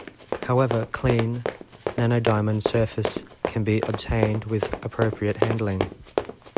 However, clean nanodiamond surface can be obtained with appropriate handling.